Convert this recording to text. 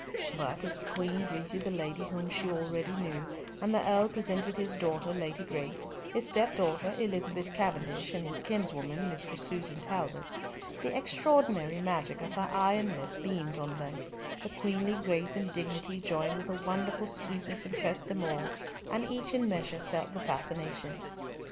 But, as the Queen greeted the lady whom she already knew, and the Earl presented his daughter, Lady Grace, his stepdaughter, Elizabeth Cavendish, and his kinswoman, Mistress Susan Talbot, the extraordinary magic of her eye and lip beamed on them, the queenly grace and dignity joined with a wonderful sweetness impressed them all, and each in measure felt the fascination.